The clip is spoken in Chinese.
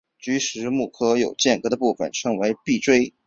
菊石目壳有间隔的部份称为闭锥。